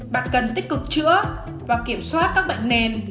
một mươi bạn cần tích cực chữa và kiểm soát các bệnh nền